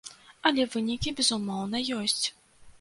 Але вынікі, безумоўна, ёсць.